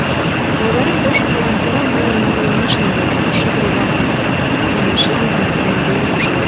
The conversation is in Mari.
Логарем кошкымылан кӧра мыйын могыремат шергылтын, шӱдыр-влакым омешем ужмо семын веле ужынам.